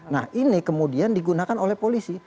nah ini kemudian digunakan oleh polisi